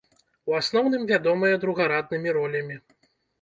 У асноўным вядомая другараднымі ролямі.